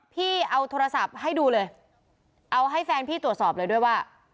พี่เอาโทรศัพท์ให้ดูเลยเอาให้แฟนพี่ตรวจสอบเลยด้วยว่า